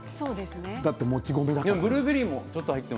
だって、もち米だもん。